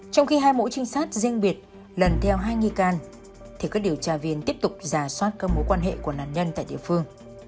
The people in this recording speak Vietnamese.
trong khi hai mẫu trinh sát riêng biệt lần theo hai nghi can thì các điều tra viên tiếp tục giả soát các mối quan hệ của nạn nhân tại địa phương